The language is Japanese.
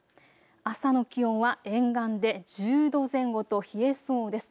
朝の気温は沿岸で１０度前後と冷えそうです。